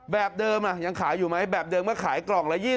แบบเดิมยังขายอยู่ไหมแบบเดิมเมื่อขายกล่องละ๒๐